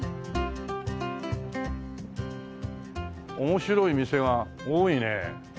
面白い店が多いね。